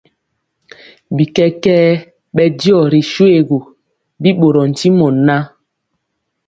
Bi kɛkɛɛ bɛdiɔ ri shoégu, bi ɓorɔɔ ntimɔ ŋan,